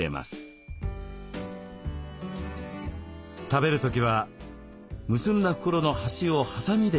食べる時は結んだ袋の端をはさみで切るだけです。